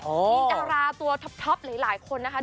มีดาราตัวท็อปหลายคนนะคะ